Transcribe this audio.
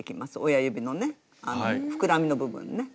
親指のね膨らみの部分ね。